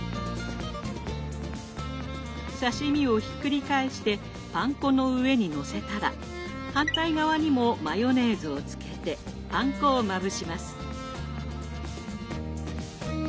刺身をひっくり返してパン粉の上にのせたら反対側にもマヨネーズをつけてパン粉をまぶします。